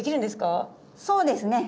そうですね。